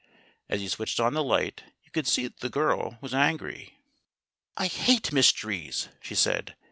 As he switched on the light you could see that the girl was angry. "I hate mysteries," she said.